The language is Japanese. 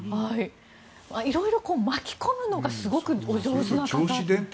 色々巻き込むのがすごくお上手な方。